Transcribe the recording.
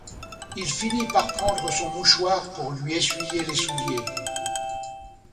Il finit par prendre son mouchoir pour lui essuyer les souliers.